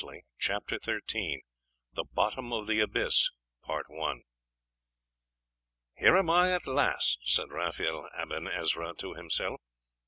CHAPTER XIII: THE BOTTOM OF THE ABYSS 'Here am I, at last!' said Raphael Aben Ezra to himself.